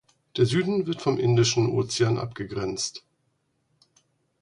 Der Süden wird vom Indischen Ozean abgegrenzt.